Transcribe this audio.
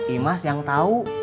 imas yang tau